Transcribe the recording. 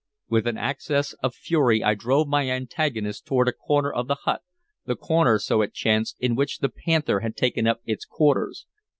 With an access of fury I drove my antagonist toward a corner of the hut, the corner, so it chanced, in which the panther had taken up its quarters.